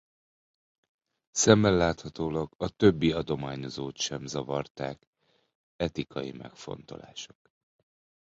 Szemmel láthatólag a többi adományozót sem zavarták etikai megfontolások.